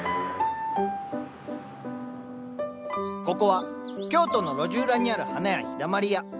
ここは京都の路地裏にある花屋「陽だまり屋」。